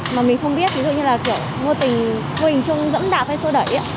mà mình không biết ví dụ như là kiểu vô tình chung dẫm đạp hay sô đẩy